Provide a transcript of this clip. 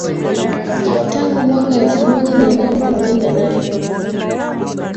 tangu mwaka elfu moja mia nane themanini na nane